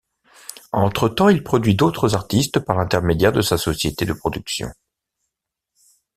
Entre-temps, il produit d'autres artistes par l'intermédiaire de sa société de production.